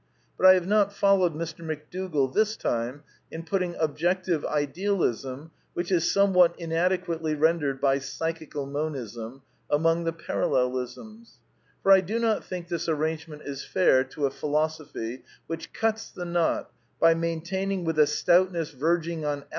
But I have not fol lowed Mr. McDougall, this time, in putting Objective Idealism (which is somewhat inadequately rendered by "Psychical Monism*') among the Parallelisms; for I do not think this arrangement is fair to a philosophy which cuts the knot by maintaining, with a stoutness verging on ]